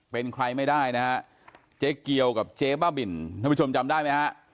เป็นใครไม่ได้นะฮะเจ๊เกียวกับเจ๊บ้าบินท่านผู้ชมจำได้ไหมฮะ